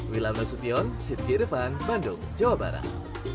wilamna sution siti irfan bandung jawa barat